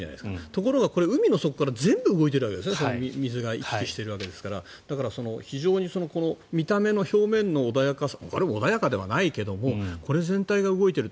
ところが海の底から全部動いているわけですね水が行き来しているわけですからだから、表面の穏やかさ穏やかではないけれどこれ全体が動いている。